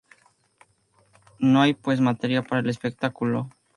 No hay pues materia para el espectáculo.